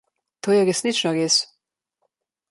To je resnično res.